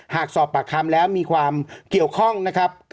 หากสอบปากคำแล้วมีความเกี่ยวข้องนะครับ